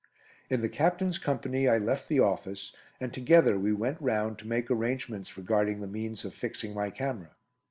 In the Captain's company I left the office, and together we went round to make arrangements regarding the means of fixing my camera.